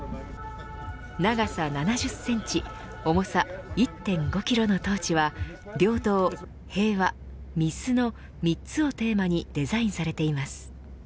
長さ７０センチ重さ１．５キロのトーチは平等、平和、水の３つをテーマにデザインされています。